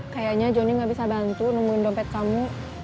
kayaknya jonny nggak bisa bantu nungguin dompet kamu